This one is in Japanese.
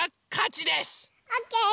オッケー！